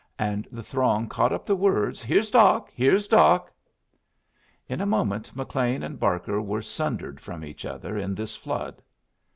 And the throng caught up the words: "Here's Doc! here's Doc!" In a moment McLean and Barker were sundered from each other in this flood.